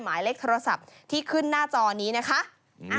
หมายเลขโทรศัพท์ที่ขึ้นหน้าจอนี้นะคะ